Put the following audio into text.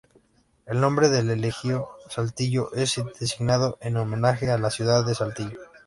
El nombre del ejido Saltillo, es designado en homenaje a la ciudad de Saltillo.